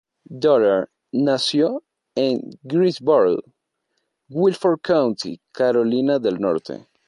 Dollar nació en Greensboro, Guilford County, Carolina del norte.